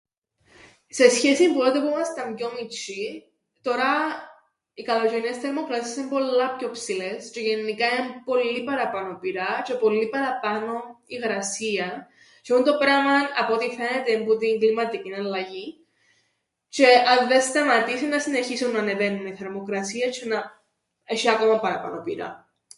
Σε σχέση που τότε που ήμασταν πιο μιτσ̆ιοί, τωρά οι καλοτζ̌αιρινές θερμοκρασίες εν' πολλά πιο ψηλές, τζ̌αι γεννικά εν' πολλή παραπάνω πυρά τζ̌αι πολλή παραπάνω υγρασία τζ̌αι τούντο πράμαν απ' ό,τι φαίνεται εν' που την κλιματικήν αλλαγήν, τζ̌αι αν δεν σταματήσει 'ννά συνεχίσουν να ανεβαίννουν οι θερμοκρασίες τζ̌αι να έσ̆ει παραπάνω πυράν.